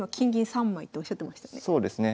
そうですね。